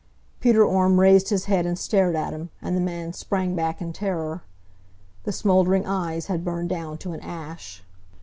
Peter Orme raised his head and stared at him, and the man sprang back in terror. The smoldering eyes had burned down to an ash.